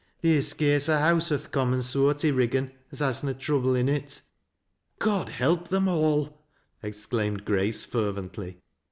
"Theer's scarce a house o' th' common soart i' Eiggan as has na trouble in it," " God help them all !" exclaimed Grace, fervently.